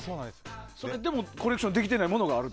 でもコレクションできてないものがある？